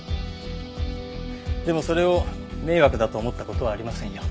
でもそれを迷惑だと思った事はありませんよ。